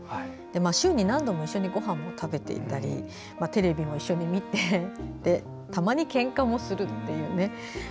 週に何度も一緒にごはんを食べていたりテレビも一緒に見てたまにけんかもするという。